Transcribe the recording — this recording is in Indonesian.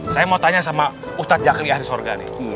saya mau tanya sama ustaz jakliah di sorga nih